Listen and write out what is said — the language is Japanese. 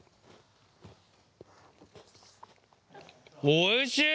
おいしい！